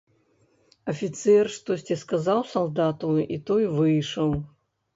Афіцэр штосьці сказаў салдату, і той выйшаў.